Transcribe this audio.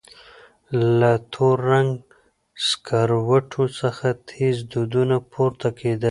له تور رنګه سکروټو څخه تېز دودونه پورته کېدل.